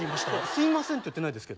「吸いません」って言ってないですけど。